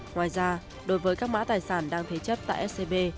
ngoài ra đối với các mã tài sản đang thế chấp tại scb